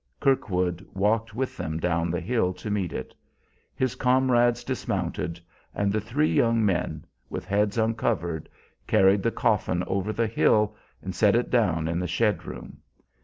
Kirkwood walked with them down the hill to meet it. His comrades dismounted, and the three young men, with heads uncovered, carried the coffin over the hill and set it down in the shed room.